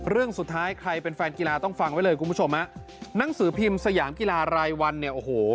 เรื่องสุดท้ายใครเป็นแฟนกีฬาต้องฟังไว้เลยคุณผู้ชมฮะหนังสือพิมพ์สยามกีฬารายวันเนี่ยโอ้โห